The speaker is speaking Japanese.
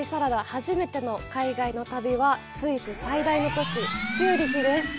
初めての海外の旅は、スイス最大の都市、チューリヒです。